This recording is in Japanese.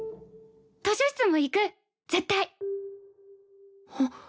図書室も行く絶対。